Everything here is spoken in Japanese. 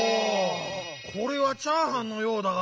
これは「チャーハン」のようだが。